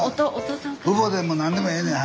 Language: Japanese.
父母でも何でもええねん。